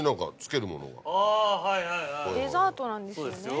デザートなんですよね。